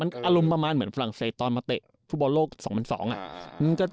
อารมณ์ประมาณเหมือนฝรั่งเศสตอนมาเตะฟุตบอลโลก๒๐๐๒อ่ะ